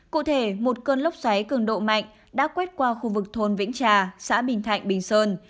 cụ thể một cơn lốc xoáy cường độ mạnh đã quét qua khu vực thôn vĩnh trà xã bình thạnh bình sơn